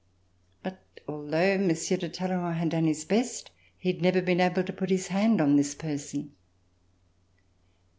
But al though Monsieur de Talleyrand had done his best, he had never been able to put his hand on this person.